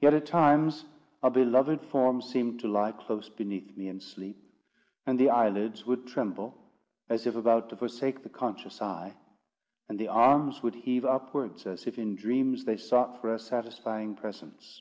Yet, at times, a beloved form seemed to lie close beneath me in sleep; and the eyelids would tremble as if about to forsake the conscious eye; and the arms would heave upwards, as if in dreams they sought for a satisfying presence.